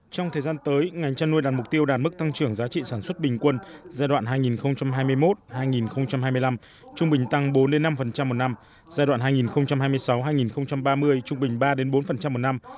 trong thời gian tới ngành chăn nuôi đạt mục tiêu đạt mức tăng trưởng giá trị sản xuất bình quân giai đoạn hai nghìn hai mươi một hai nghìn hai mươi năm trung bình tăng bốn năm một năm giai đoạn hai nghìn hai mươi sáu hai nghìn ba mươi trung bình ba bốn một năm